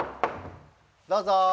どうぞ。